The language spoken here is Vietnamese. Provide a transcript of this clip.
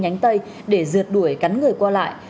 nhánh tây để dượt đuổi cắn người qua lại